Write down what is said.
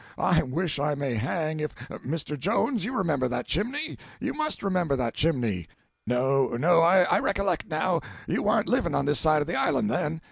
I wish I may hang if—Mr. Jones, you remember that chimney—you must remember that chimney! No, no—I recollect, now, you warn't living on this side of the island then.